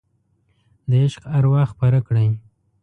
د عشق اروا خپره کړئ